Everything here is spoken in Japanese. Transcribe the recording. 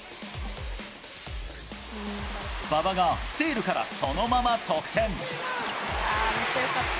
馬場がスティールから、そのまま得点。